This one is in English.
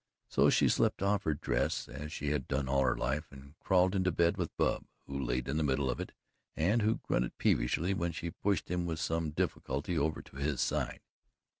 So she slipped off her dress, as she had done all her life, and crawled into bed with Bub, who lay in the middle of it and who grunted peevishly when she pushed him with some difficulty over to his side.